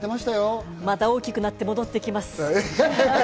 また大きくなって戻ってきます。